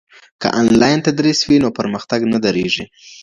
که انلاین تدریس وي نو پرمختګ نه دریږي.